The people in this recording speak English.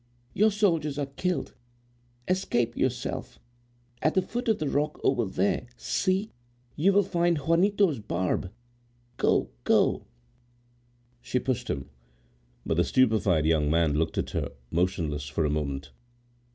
Your soldiers are killed. Escape yourself. At the foot of the rock, over there, see! you will find Juanito's barb—Go, go!" She pushed him; but the stupefied young man looked at her, motionless, for a moment.